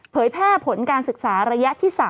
แพร่ผลการศึกษาระยะที่๓